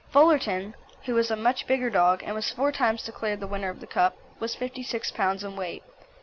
Fullerton, who was a much bigger dog, and was four times declared the winner of the Cup, was 56 lbs. in weight.